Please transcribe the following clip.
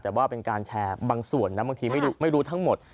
แต่ว่าเป็นการแชร์บางส่วนนะบางทีไม่รู้ทั้งหมด